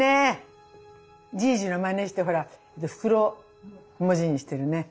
じいじのまねしてほら袋文字にしてるね。